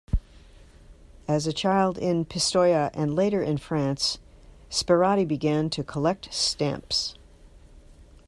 As a child in Pistoia and later in France, Sperati began to collect stamps.